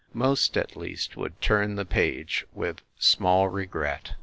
Most, at least, would turn the page with small regret.